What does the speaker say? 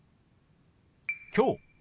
「きょう」。